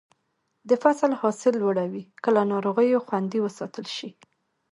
د فصل حاصل لوړوي که له ناروغیو خوندي وساتل شي.